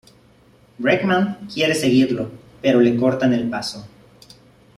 Bregman quiere seguirlo, pero le cortan el paso.